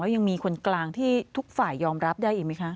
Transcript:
ยังมีคนกลางที่ทุกฝ่ายยอมรับได้อีกไหมคะ